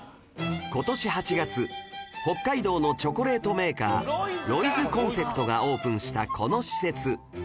今年８月北海道のチョコレートメーカーロイズコンフェクトがオープンしたこの施設